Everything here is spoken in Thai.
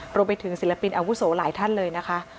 รวมไปถึงศิลปินอาวุโสหลายท่านเลยนะคะ